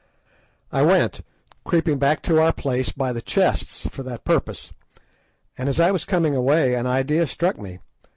I went, creeping back to our place by the chests for that purpose, and as I was coming away an idea struck me.